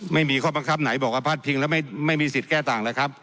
ไม่มีข้อบังคับไหนบอกว่าพลาดพิงแล้วไม่มีสิทธิ์แก้ต่างแล้วครับ